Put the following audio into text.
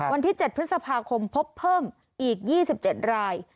วันที่๗พฤษภาคมพบเพิ่มอีก๒๗ราย